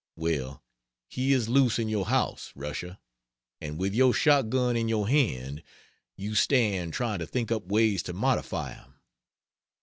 Well, he is loose in your house Russia. And with your shotgun in your hand, you stand trying to think up ways to "modify" him.